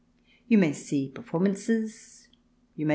You may see performances, you may CH.